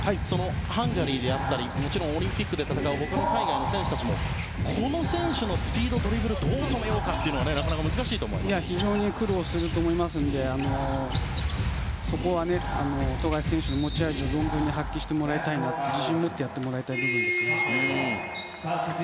ハンガリーであったりもちろんオリンピックで戦う他の海外の選手たちもこの選手のスピード、ドリブルどう止めようかというのは非常に苦労すると思うのでそこは富樫選手の持ち味を存分に発揮してもらいたいし自信を持ってやってもらいたい部分ですね。